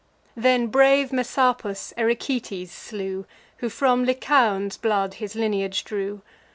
Then brave Messapus Ericetes slew, Who from Lycaon's blood his lineage drew.